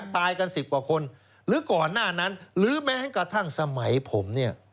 ตายกัน๑๐กว่าคนหรือก่อนหน้านั้นหรือแม้กระทั่งสมัยผมเนี่ย